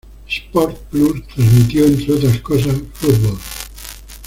Sport Plus transmitió, entre otras cosas fútbol.